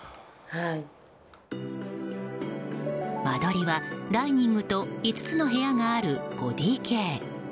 間取りは、ダイニングと５つの部屋がある５ＤＫ。